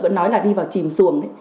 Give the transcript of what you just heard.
vẫn nói là đi vào chìm xuồng đấy